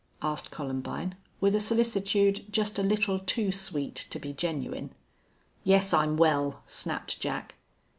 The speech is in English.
asked Columbine, with a solicitude just a little too sweet to be genuine. "Yes, I'm well," snapped Jack.